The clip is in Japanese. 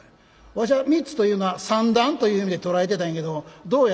わしは三つというのは三段という意味で捉えてたんやけどどうやら違うらしいな。